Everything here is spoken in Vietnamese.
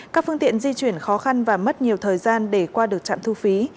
các phương tiện di chuyển khó khăn và mất nhiều thời gian để qua được trạm thu phí